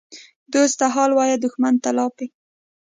دوست ته حال وایه، دښمن ته لاپې.